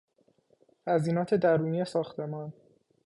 تزیینات درونی ساختمان